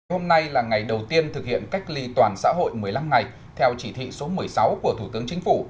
hôm nay là ngày đầu tiên thực hiện cách ly toàn xã hội một mươi năm ngày theo chỉ thị số một mươi sáu của thủ tướng chính phủ